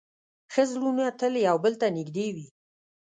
ښه زړونه تل یو بل ته نږدې وي.